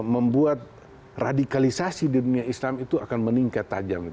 membuat radikalisasi di dunia islam itu akan meningkat tajam